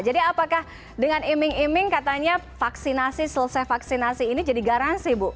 jadi apakah dengan iming iming katanya vaksinasi selesai vaksinasi ini jadi garansi bu